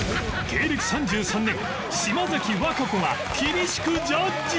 芸歴３３年島崎和歌子が厳しくジャッジ！